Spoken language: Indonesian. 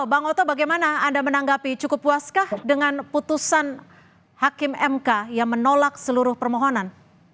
bang oto bagaimana anda menanggapi cukup puaskah dengan putusan hakim mk yang menolak seluruh permohonan